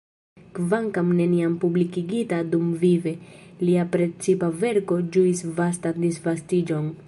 Kvankam neniam publikigita dumvive, lia precipa verko ĝuis vastan disvastiĝon.